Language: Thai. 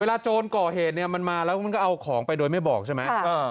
โจรก่อเหตุเนี่ยมันมาแล้วมันก็เอาของไปโดยไม่บอกใช่ไหม